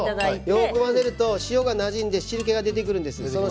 よく混ぜると塩がなじんで汁けが出てきます。